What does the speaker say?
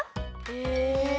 へえ。